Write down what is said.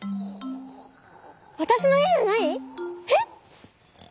わたしのへやじゃない？えっ？